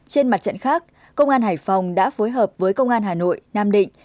trên mặt trận khác công an hải phòng đã phối hợp với công an hà nội nam định